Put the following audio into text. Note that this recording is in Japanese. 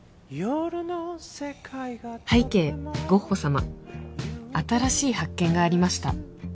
拝啓ゴッホ様新しい発見がありました